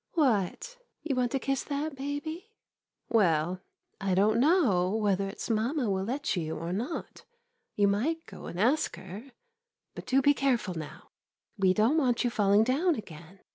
What — you want to kiss that baby? Well, I don't know whether its mamma will let 55 MODERN MONOLOGUES you or not. You might go and ask her. But do be careful now. We don't want you falling down again.